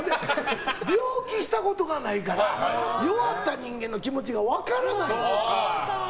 病気したことがないから弱った人間の気持ちが分からないの。